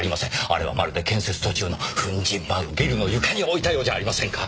あれはまるで建設途中の粉塵舞うビルの床に置いたようじゃありませんか！